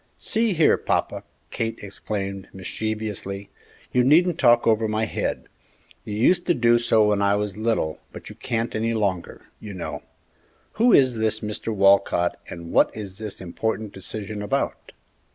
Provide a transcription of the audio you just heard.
"See here, papa!" Kate exclaimed, mischievously, "you needn't talk over my head! You used to do so when I was little, but you can't any longer, you know. Who is this 'Walcott,' and what is this important decision about?"